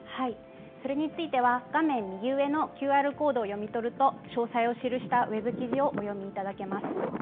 それについては画面右上のＱＲコードを読み取ると詳細を記したＷＥＢ記事をお読みいただけます。